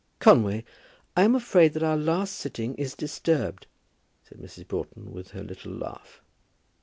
"Conway, I am afraid that our last sitting is disturbed," said Mrs. Broughton, with her little laugh.